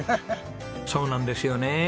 そうなんですよね。